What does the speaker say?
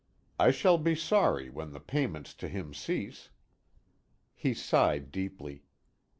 I shall be sorry when the payments to him cease." He sighed deeply.